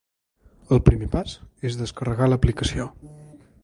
El primer pas és descarregar l’aplicació.